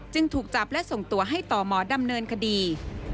ถูกจับและส่งตัวให้ต่อหมอดำเนินคดี